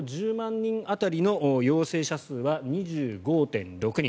人当たりの陽性者数は２５．６人。